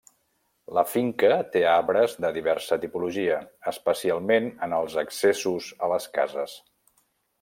La finca té arbres de diversa tipologia, especialment en els accessos a les cases.